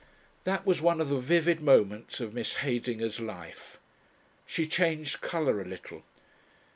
That was one of the vivid moments of Miss Heydinger's life. She changed colour a little.